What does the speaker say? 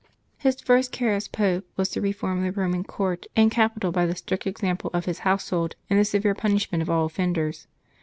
His first care as Pope was to reform 170 LIVES OF THE SAINTS [May 6 the Roman court and capital by the strict example of his household and the severe punishment of all offenders.